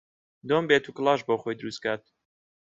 دۆم بێت و کڵاش بۆ خۆی دروست کات